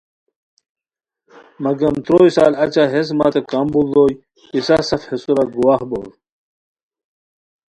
مگم تروئے سال اچہ ہیس متے کمبوڑ دوئے پِسہ سف ہے سور ا گواہ بور